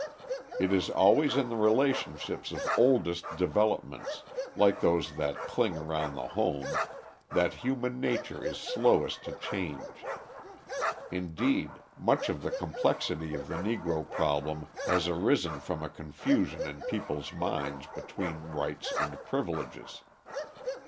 It is always in the relationships of oldest developments, like those that cling around the home, that human nature is slowest to change. Indeed, much of the complexity of the Negro problem has arisen from a confusion in people's minds between rights and privileges.